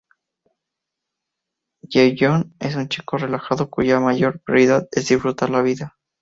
Jae Yoon es un chico relajado cuya mayor prioridad es disfrutar de la vida.